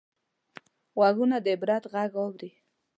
غوږونه د عبرت غږ اوري